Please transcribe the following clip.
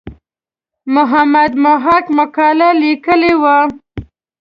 محمد محق مقاله لیکلې وه.